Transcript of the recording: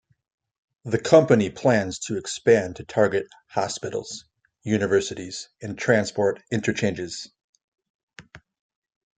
The company plans to expand to target hospitals, universities and transport interchanges.